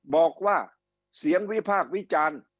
บอกว่าเสียงวิพากษ์วิจารณ์